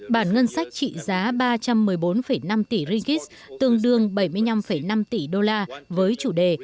bản ngân sách trị giá ba trăm một mươi bốn năm tỷ rigit tương đương bảy mươi năm năm tỷ đô la với chủ đề